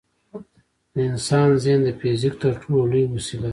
د انسان ذهن د فزیک تر ټولو لوی وسیله ده.